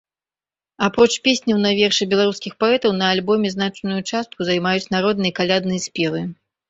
Апроч песняў на вершы беларускіх паэтаў на альбоме значную частку займаюць народныя калядныя спевы.